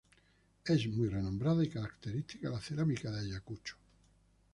Es muy renombrada y característica la cerámica de Ayacucho.